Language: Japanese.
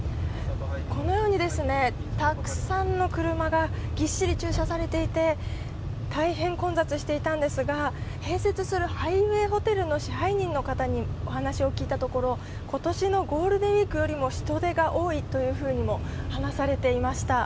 このようにたくさんの車がぎっしり駐車されていて大変混雑していたんですが、併設するハイウェイホテルの支配人の方にお話を聞いたところ今年のゴールデンウイークよりも人出が多いと話されていました。